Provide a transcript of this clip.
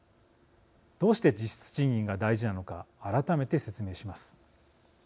どうして実質賃金が大事なのか改めて説明します。